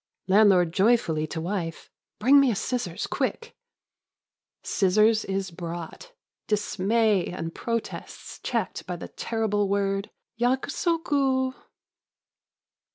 Landlord joyfully to wife. "Bring me a scissors, quick !" Scissors is brought. Dismay and protests checked by the terrible word, "Yakusoku."